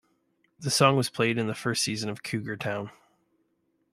The song was played in the first season of "Cougar Town".